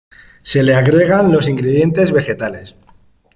Se le agregan los ingredientes vegetales.